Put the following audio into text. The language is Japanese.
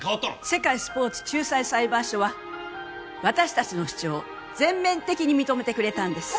世界スポーツ仲裁裁判所は私達の主張を全面的に認めてくれたんです